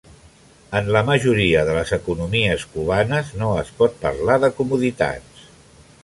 En la majoria de les economies cubanes no es pot parlar de comoditats.